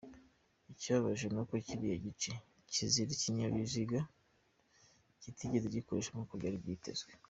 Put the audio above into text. Ikibabaje ni uko kiriya gice kizira ibinyabiziga kitigeze gikoreshwa nk’uko byari byitezwe.